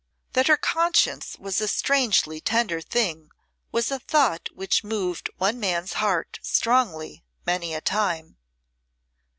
That her conscience was a strangely tender thing was a thought which moved one man's heart strongly many a time.